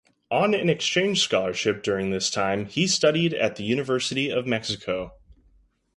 On an exchange scholarship during this time he studied at the University of Mexico.